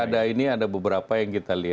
ya tentu pilkada ini ada beberapa yang kita coba